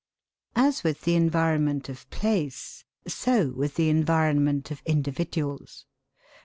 As with the environment of place, so with the environment of individuals.